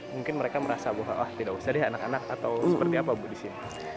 mungkin mereka merasa bahwa tidak usah deh anak anak atau seperti apa bu di sini